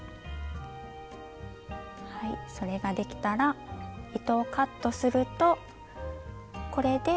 はいそれができたら糸をカットするとこれで糸始末ができました。